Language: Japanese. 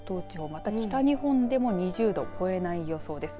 また北日本でも２０度を超えない予想です。